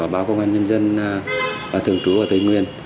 báo công an nhân dân thường trú ở tây nguyên